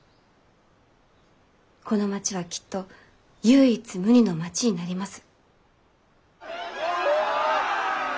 この町はきっと唯一無二の町になります。